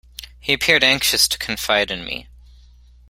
He appeared anxious to confide in me.